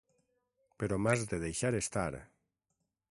Però m'has de deixar estar.